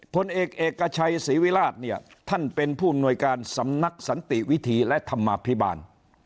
ผลเอกเอกชัยศรีวิราชเนี่ยท่านเป็นผู้อำนวยการสำนักสันติวิธีและธรรมภิบาล